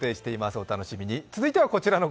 お楽しみに。